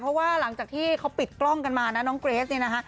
เพราะว่าหลังจากที่เขาปิดกล้องกันมานะน้องเกรสเนี่ยนะฮะ